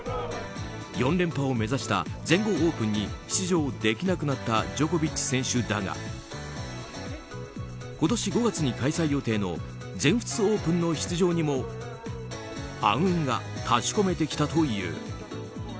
４連覇を目指した全豪オープンに出場できなくなったジョコビッチ選手だが今年５月に開催予定の全仏オープンの出場にも暗雲が立ち込めてきたという。